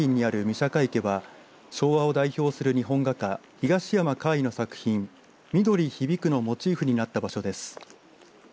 射鹿池は昭和を代表する日本画家東山魁夷の作品緑響くのモチーフになった場所です。